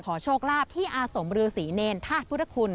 ขอโชคลาบที่อาสมรือศรีเนรภาพพุทธคุณ